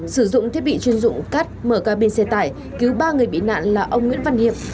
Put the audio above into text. sử dụng thiết bị chuyên dụng cắt mở cabin xe tải cứu ba người bị nạn là ông nguyễn văn hiệp